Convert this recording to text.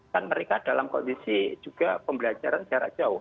kan mereka dalam kondisi juga pembelajaran jarak jauh